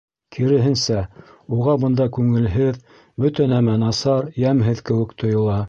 Киреһенсә, уға бында күңелһеҙ, бөтә нәмә насар, йәмһеҙ кеүек тойола.